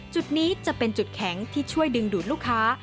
จุดนี้จะเป็นจุดแข็งที่ช่วยดึงดูดลูกค้า